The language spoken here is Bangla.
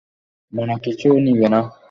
মনে কিছু নিবে না।